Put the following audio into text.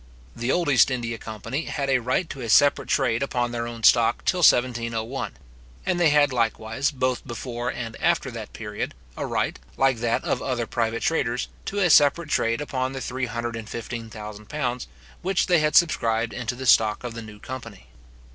The old East India company had a right to a separate trade upon their own stock till 1701; and they had likewise, both before and after that period, a right, like that or other private traders, to a separate trade upon the £315,000, which they had subscribed into the stock of the new company.